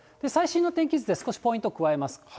最新の天気図で少しポイント加えます。